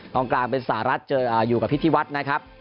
กลางกลางเป็นสหรัฐเจออยู่กับพิธีวัฒน์นะครับ